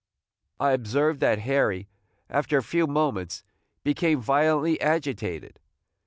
I observed that Harry, after a few moments, became violently agitated.